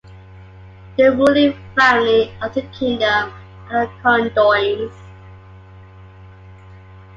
The ruling family of the Kingdom are the conDoins.